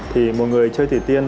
thì một người chơi thủy tiên